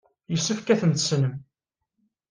Yessefk ad ten-tessnem.